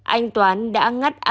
anh toán đã ngắt atomat